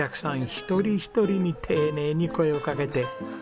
一人一人に丁寧に声をかけて。